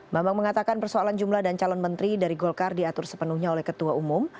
bambang mengatakan persoalan jumlah dan calon menteri dari golkar diatur sepenuhnya oleh ketua umum